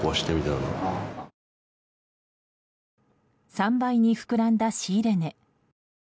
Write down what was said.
３倍に膨らんだ仕入れ値。